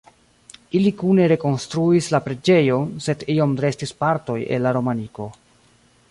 Ili kune rekonstruis la preĝejon, sed iom restis partoj el la romaniko.